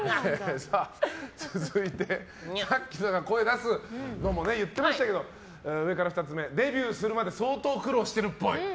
続いて、さっきから声出すのも言ってましたけどデビューするまで相当苦労してるっぽい。